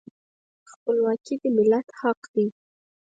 خپلواکي د ملت حق دی.